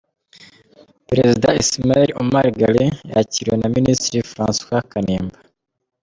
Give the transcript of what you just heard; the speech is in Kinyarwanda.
Perezida Ismaïl Omar Guelleh yakiriwe na Minisitiri François Kanimba.